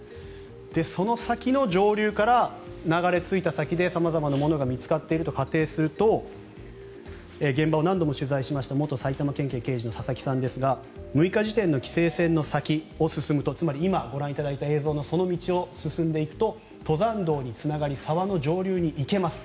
その先の上流から流れ着いた先で様々なものが見つかっていると仮定すると現場を何度も取材しました元埼玉県警の佐々木さんですが６日時点の規制線の先を進むとつまり今ご覧いただいた道の先を進んでいくと、登山道につながり沢の上流に行けます。